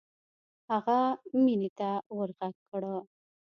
هغه مينې ته ورږغ کړه.